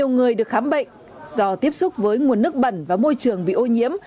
nhiều người được khám bệnh do tiếp xúc với nguồn nước bẩn và môi trường bị ô nhiễm